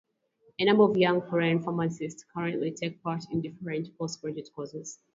A number of young foreign pharmacists currently take part in different post-graduate courses.